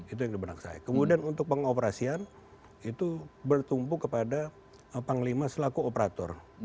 itu yang di benak saya kemudian untuk pengoperasian itu bertumpu kepada panglima selaku operator